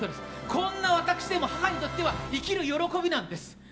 こんな私でも母にとっては生きる喜びなんです。